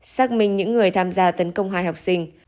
xác minh những người tham gia tấn công hai học sinh